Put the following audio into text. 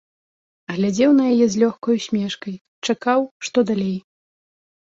Глядзеў на яе з лёгкай усмешкай, чакаў, што далей.